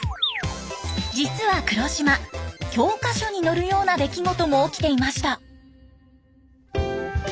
実は黒島教科書に載るような出来事も起きていました。